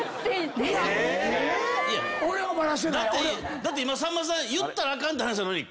だって今さんまさん言ったらあかんって話なのに。